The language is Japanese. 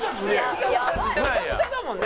むちゃくちゃだもんね。